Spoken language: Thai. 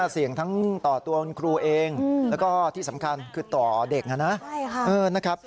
เสี่ยงทั้งต่อตัวคุณครูเองแล้วก็ที่สำคัญคือต่อเด็กนะครับ